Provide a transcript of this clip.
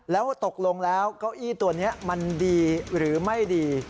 แล้วตกลงแล้วเก้าอี้ตัวนี้มันดีหรือไม่ดี